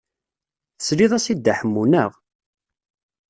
Tesliḍ-as i Dda Ḥemmu, naɣ?